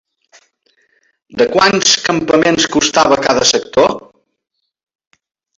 De quants campaments constava cada sector?